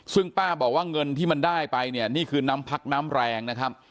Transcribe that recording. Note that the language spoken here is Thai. ซึ่งป้าบอกว่าเงินที่มันได้ไปเนี่ยนี่คือน้ำพักน้ำแรงนะครับ